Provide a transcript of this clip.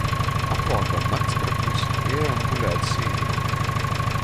Apvalkam naktskraklus i ejam gulēt sīnā.